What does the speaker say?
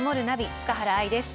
塚原愛です。